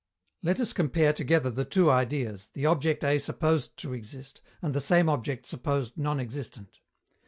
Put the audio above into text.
Let us compare together the two ideas the object A supposed to exist, and the same object supposed "non existent."